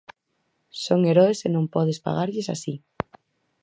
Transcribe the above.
Son heroes e non podes pagarlles así.